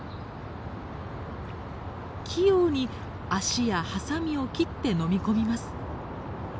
器用に足やハサミを切って飲み込みます。